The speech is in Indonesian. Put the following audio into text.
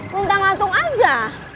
minta ngantung aja